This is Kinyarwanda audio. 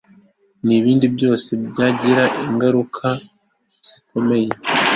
n ibindi byose byagira ingaruka zikomeye